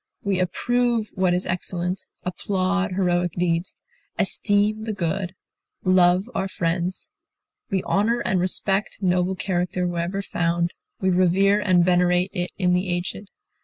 We approve what is excellent, applaud heroic deeds, esteem the good, love our friends. We honor and respect noble character wherever found; we revere and venerate it in the aged.